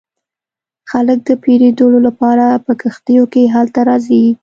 خلک د پیرودلو لپاره په کښتیو کې هلته راځي